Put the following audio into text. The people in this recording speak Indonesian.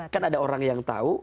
kan ada orang yang tahu